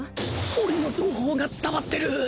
俺の情報が伝わってる！